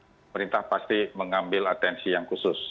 pemerintah pasti mengambil atensi yang khusus